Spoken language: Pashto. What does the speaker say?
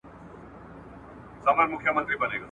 کتاب د انسان لپاره يو لارښود دی چي د ژوند لاره روښانه کوي ,